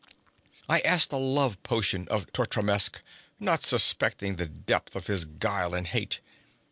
I asked a love potion of Totrasmek, not suspecting the depth of his guile and hate.